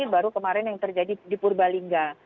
baru kemarin yang terjadi di purbalingga